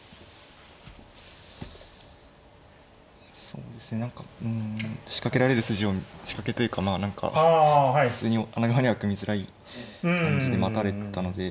そうですね何かうん仕掛けられる筋を仕掛けというかまあ何か普通に穴熊には組みづらい感じで待たれたので。